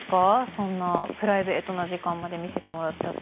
そんなプライベートな時間まで見せてもらっちゃって。